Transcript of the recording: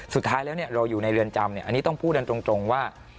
สุดท้ายแล้วเราอยู่ในเรือนจำอันนี้ต้องพูดกันตรงว่า